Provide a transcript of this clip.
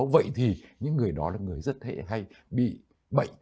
vậy thì những người đó là người rất hệ hay bị bệnh